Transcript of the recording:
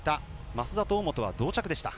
増田と大本は同着でした。